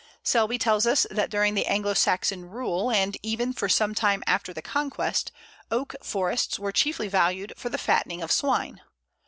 Selby tells us that "During the Anglo Saxon rule, and even for some time after the Conquest, Oak forests were chiefly valued for the fattening of swine.